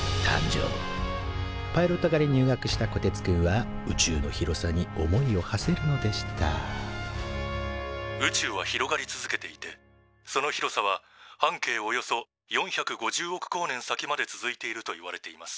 パイロット科に入学したこてつくんは宇宙の広さに思いをはせるのでした「宇宙は広がり続けていてその広さは半径およそ４５０億光年先まで続いているといわれています」。